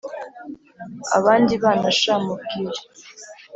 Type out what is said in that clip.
abandi bana sha mubwire